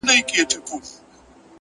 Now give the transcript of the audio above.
خاموش کار لوی بدلون راولي.